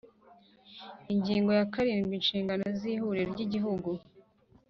Ingingo ya karindwi Inshingano z Ihuriro ry Igihugu